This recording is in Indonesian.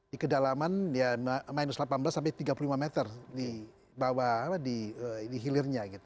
di kedalaman ya minus delapan belas sampai tiga puluh lima meter di bawah di hilirnya